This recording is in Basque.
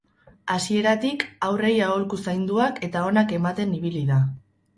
Hasieratik haurrei aholku zainduak eta onak ematen ibili da.